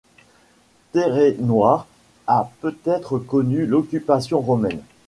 Terrenoire a peut-être connu l'occupation romaine.